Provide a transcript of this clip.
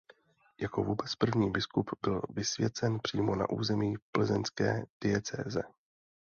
Jako vůbec první biskup byl vysvěcen přímo na území plzeňské diecéze.